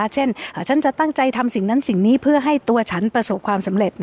เช่นฉันจะตั้งใจทำสิ่งนั้นสิ่งนี้เพื่อให้ตัวฉันประสบความสำเร็จ